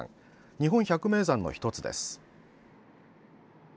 日本百名山の１つです。